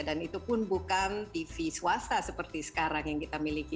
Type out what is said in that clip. dan itu pun bukan tv swasta seperti sekarang yang kita miliki